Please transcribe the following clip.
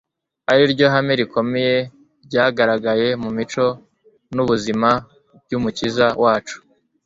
ari ryo hame rikomeye ryagaragaye mu mico n'ubuzima by'umukiza wacu